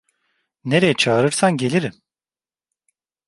Nereye çağırırsan gelirim!